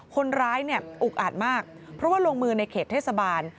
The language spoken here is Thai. คนร้ายเนี่ยอุกอาจมากเพราะว่าลงมือในเขตเทศบาล